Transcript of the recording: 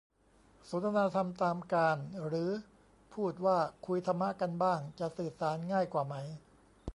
สนทนาธรรมตามกาล หรือพูดว่าคุยธรรมะกันบ้าง จะสื่อสารง่ายกว่าไหม